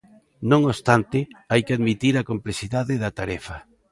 Non obstante, hai que admitir a complexidade da tarefa.